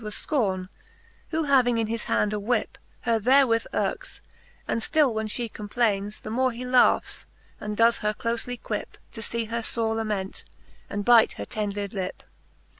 Was Scorne^ who having in his hand a whip, Her therewith yirks, and ftill when fhe complaines. The more he laughs, aud does her clofely quip. To fee her fore lament, and bite her tender lip.